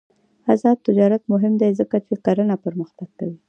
آزاد تجارت مهم دی ځکه چې کرنه پرمختګ کوي.